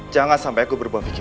jangan sampai aku berbohong pikir